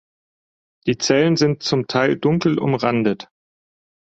Die Zellen sind zum Teil dunkel umrandet.